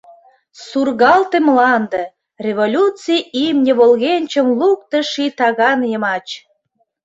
Сургалте мланде — революций имне Волгенчым лукто ший таган йымач.